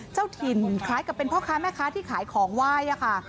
เจ้าถิ่นคล้ายกับเป็นพ่อค้าแม่ค้าที่ขายของไหว้ค่ะ